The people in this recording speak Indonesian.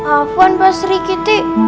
apaan pak sri kiti